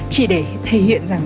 chỉ để thể hiện rằng